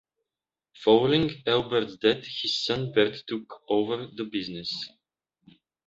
Following Elbert's death, his son Bert took over the business.